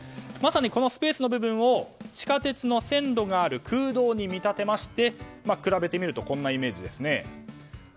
まさにこのスペースの部分を地下鉄の線路がある空洞に見立てまして比べてみるとこんなイメージですよね。